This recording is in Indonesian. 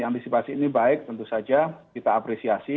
antisipasi ini baik tentu saja kita apresiasi